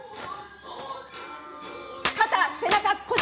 肩背中腰！